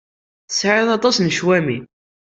Tesɛiḍ aṭas n ccwami?